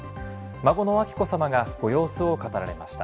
孫の彬子さまがご様子を語られました。